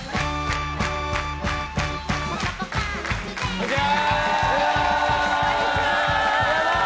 こんにちは。